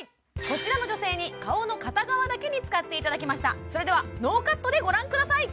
こちらの女性に顔の片側だけに使っていただきましたそれではノーカットでご覧ください